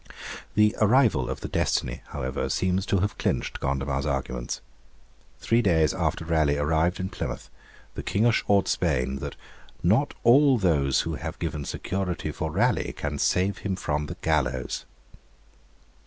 The arrival of the 'Destiny,' however, seems to have clinched Gondomar's arguments. Three days after Raleigh arrived in Plymouth, the King assured Spain that 'not all those who have given security for Raleigh can save him from the gallows.'